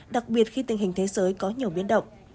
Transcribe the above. đặc biệt khi tình hình thế giới có nhiều biến động